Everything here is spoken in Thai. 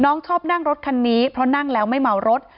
ชอบนั่งรถคันนี้เพราะนั่งแล้วไม่เมารถ